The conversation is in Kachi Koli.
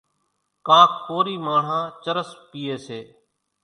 ڪانڪ ڪورِي ماڻۿان چرس پيئيَ سي۔